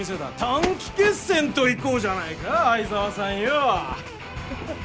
短期決戦といこうじゃないか愛沢さんよふふふっ。